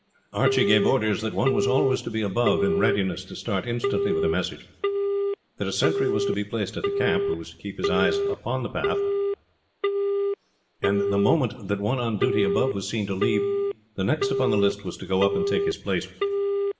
Archie gave orders that one was always to be above in readiness to start instantly with a message; that a sentry was to be placed at the camp, who was to keep his eyes upon the path, and the moment the one on duty above was seen to leave, the next upon the list was to go up and take his place.